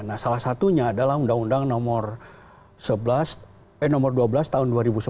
nah salah satunya adalah undang undang nomor dua belas tahun dua ribu sebelas